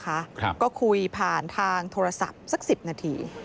ครับก็คุยผ่านทางโทรศัพท์สักสิบนาที